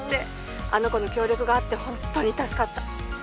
あの子の協力があってホントに助かった。